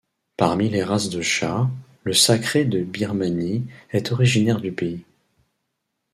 Parmi les races de chats, le Sacré de Birmanie est originaire du pays.